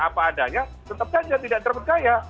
apa adanya tetap saja tidak terpercaya